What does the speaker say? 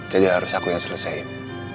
jadi harus aku yang selesaikan